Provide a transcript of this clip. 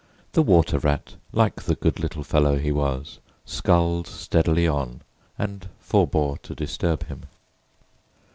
The Water Rat, like the good little fellow he was, sculled steadily on and forebore to disturb him.